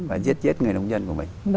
và giết chết người nông dân của mình